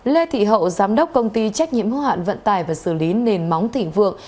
lê thị hậu giám đốc công ty trách nhiệm hữu hạn vận tài và xử lý nền móng thỉnh vượng